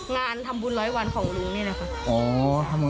งานทำบุญร้อยวันของลุงนี่แหละค่ะ